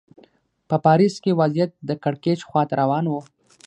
په پاریس کې وضعیت د کړکېچ خوا ته روان و.